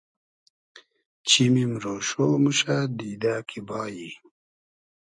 چیمیم رۉشۉ موشۂ دیدۂ کی بایی